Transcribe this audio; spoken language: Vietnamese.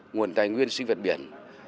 nguồn tài nguyên sinh vật biển